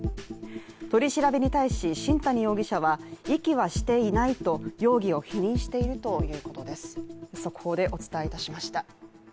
取り調べに対し、新谷容疑者は遺棄はしていないと容疑を否認しているということです。